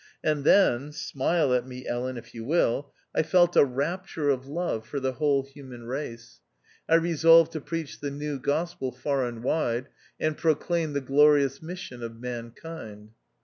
And then — smile at me Ellen if you will — I felt a rapture of love for the whole human race. I resolved to preach the New Gospel far and wide, and proclaim the glorious mission of mankind.